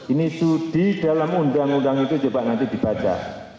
ini studi dalam undang undang itu coba nanti dibaca